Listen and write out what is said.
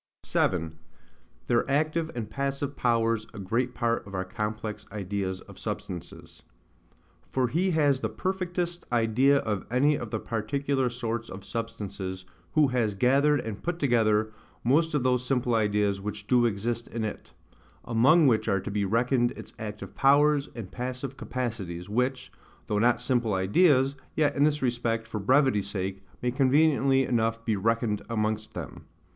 7. Their active and passive Powers a great part of our complex Ideas of Substances. For he has the perfectest idea of any of the particular sorts of substances, who has gathered, and put together, most of those simple ideas which do exist in it; among which are to be reckoned its active powers, and passive capacities, which, though not simple ideas, yet in this respect, for brevity's sake, may conveniently enough be reckoned amongst them.